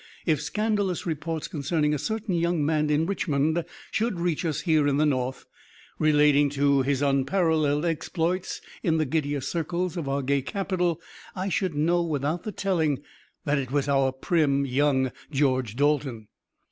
If scandalous reports concerning a certain young man in Richmond should reach us here in the North, relating his unparalleled exploits in the giddier circles of our gay capital, I should know without the telling that it was our prim young George Dalton."